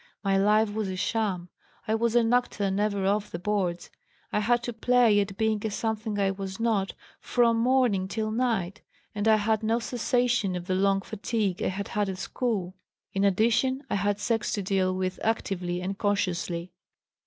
My life was a sham; I was an actor never off the boards. I had to play at being a something I was not from morning till night, and I had no cessation of the long fatigue I had had at school; in addition I had sex to deal with actively and consciously.